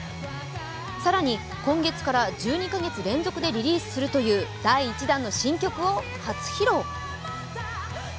更に今月から１２カ月連続でリリースするという第１弾の新曲を初披露。